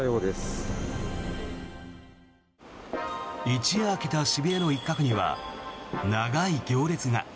一夜明けた渋谷の一角には長い行列が。